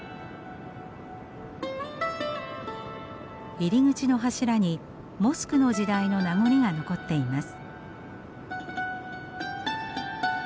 入り口の柱にモスクの時代の名残が残っています。